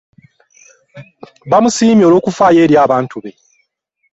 Bamusiimye olw'okufaayo eri abantu be.